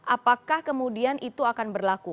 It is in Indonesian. apakah kemudian itu akan berlaku